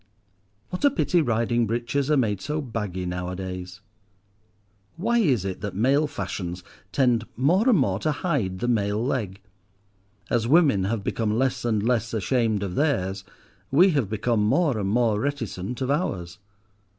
What a pity riding breeches are made so baggy nowadays. Why is it that male fashions tend more and more to hide the male leg? As women have become less and less ashamed of theirs, we have become more and more reticent of ours.